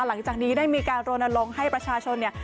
หลังจากนี้ได้มีการโรนลงให้ประชาชนเนี่ย